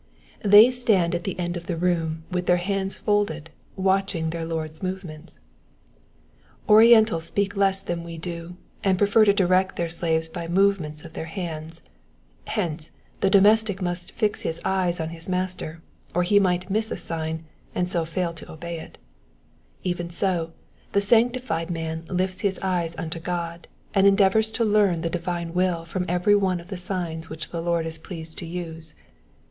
*^ They stand at the end of the room with their hands folded watching their lord^s movements. Orientals speak less than we do, and prefer to direct their slaves by movements of their hands ; hence, the domestic must fix his eyes on his master, or he might miss a sign, and so fail to obey it : even so, the sanctified man lifts his eyes unto G(3, and en deavours to learn the divine will from every one of the signs which the Lord is pleased to use.